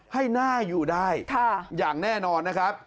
ให้น่าอยู่ได้อย่างแน่นอนนะครับ